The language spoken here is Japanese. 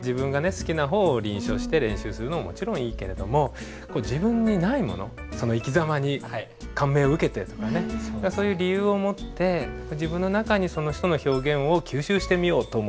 好きな方を臨書して練習するのももちろんいいけれども自分にないものその生きざまに感銘を受けてとかねそういう理由を持って自分の中にその人の表現を吸収してみようと思ってね